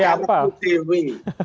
itu sakar kutriwi